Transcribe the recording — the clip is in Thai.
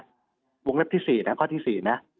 เนี่ยวงฤทธิศรีท์นะข้อที่สี่นะ